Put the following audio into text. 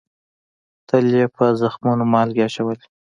تل یې په زخمونو مالگې اچولې